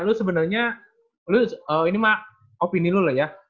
lu sebenernya ini mah opini lu loh ya